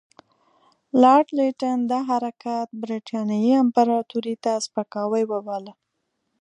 لارډ لیټن دا حرکت برټانیې امپراطوري ته سپکاوی وباله.